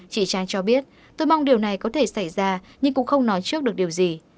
chị trang cho biết tôi mong điều này có thể xảy ra nhưng cũng không nói trước được điều gì